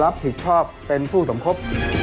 รับผิดชอบเป็นผู้สมคบ